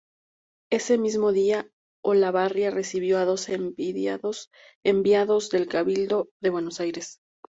Ese mismo día, Olavarría recibió a dos enviados del cabildo de Buenos Aires.